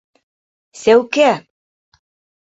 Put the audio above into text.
Сәүкә!